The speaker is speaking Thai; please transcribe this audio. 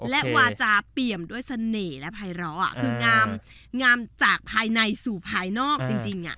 และวาจาเปี่ยมด้วยเสน่ห์และภายร้อคืองามจากภายในสู่ภายนอกจริง